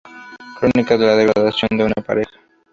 Crónica de la degradación de una pareja.